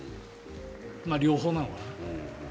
まあ、両方なのかな。